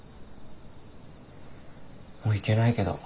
もう行けないけど。